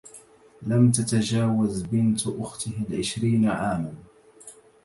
لم تتجاوز بنت اخته العشرين عاماً.